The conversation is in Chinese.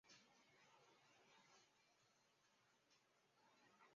马修的孪生哥哥。